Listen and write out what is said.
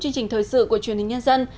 chương trình thời sự của truyền hình nhân dân